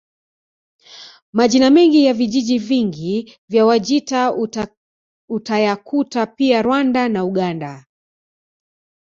Majina mengi ya vijiji vingi vya Wajita utayakuta pia Rwanda na Uganda